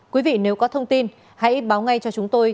quý vị nếu có thông tin hãy báo ngay cho chúng tôi